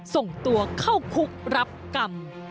ส่งตัวเข้าคุกรับกรรม